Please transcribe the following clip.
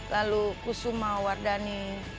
lalu kusuma wardani